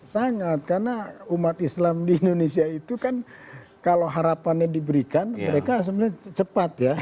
sangat karena umat islam di indonesia itu kan kalau harapannya diberikan mereka sebenarnya cepat ya